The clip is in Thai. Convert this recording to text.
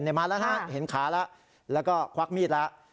มาแล้วฮะเห็นขาแล้วแล้วก็ควักมีดแล้ว